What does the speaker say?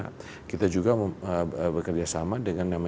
ini kan kita menjadi chairnya asean ini kan kita menjadi chairnya smi